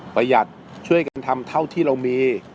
ประหยัดช่วยกันทำเท่าที่เรามี